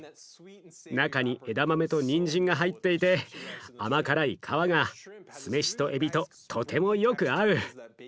中に枝豆とにんじんが入っていて甘辛い皮が酢飯とえびととてもよく合う。